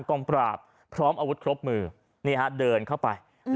กองปราบพร้อมอาวุธครบมือนี่ฮะเดินเข้าไป